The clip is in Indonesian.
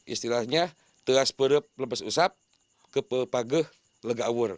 istilahnya teas perup lepas usap ke pelpage legawur